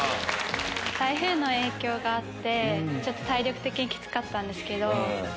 台風の影響があって体力的にきつかったんですけど。